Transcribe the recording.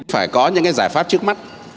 phải có những cái giải pháp trước mắt